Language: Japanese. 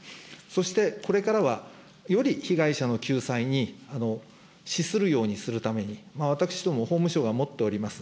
そして、これからは、より被害者の救済に資するようにするために、私ども、法務省が持っております